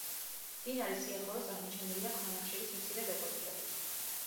მდინარის სიახლოვეს აღმოჩენილია ქვანახშირის მცირე დეპოზიტები.